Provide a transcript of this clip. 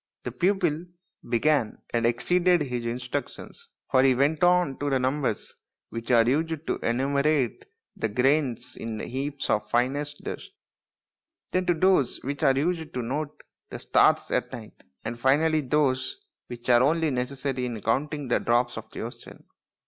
The pupil began and exceeded his instructions, for he went on to the numbers which are used to enumerate the grains in heaps of finest dust, then to those which are used to note the stars at night, and finally those which are only necessary in counting the drops of the ocean.